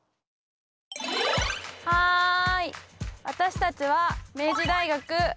私たちは明治大学。